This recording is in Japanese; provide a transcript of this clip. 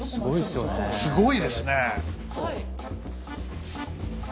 すごいですね！